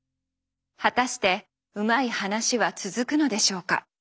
果たしてうまい話は続くのでしょうか。